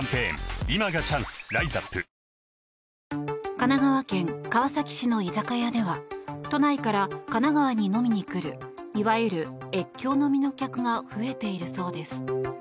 神奈川県川崎市の居酒屋では都内から神奈川に飲みに来るいわゆる越境飲みの客が増えているそうです。